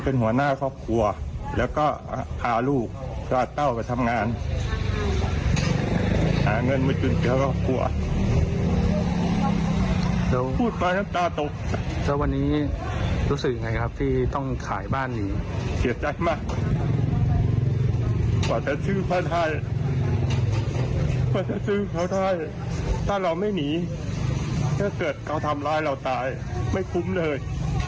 ก็จะซื้อเขาได้ถ้าเราไม่หนีถ้าเกิดเขาทำร้ายเราตายไม่คุ้มเลย